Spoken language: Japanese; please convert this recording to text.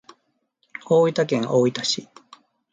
大分県大分市